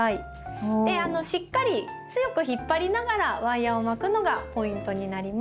しっかり強く引っ張りながらワイヤーを巻くのがポイントになります。